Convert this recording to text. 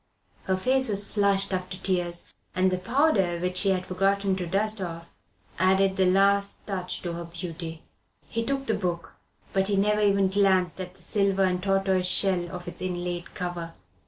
Her face was flushed after her tears, and the powder, which she had forgotten to dust off, added the last touch to her beauty. He took the book, but he never even glanced at the silver and tortoise shell of its inlaid cover.